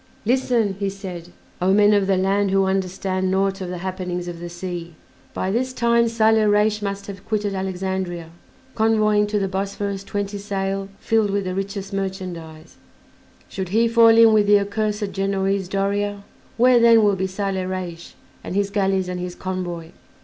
"Listen," he said, "O men of the land who understand naught of the happenings of the sea. By this time Saleh Reis must have quitted Alexandria convoying to the Bosphorus twenty sail filled with the richest merchandise; should he fall in with the accursed Genoese, Doria, where then will be Saleh Reis and his galleys and his convoy?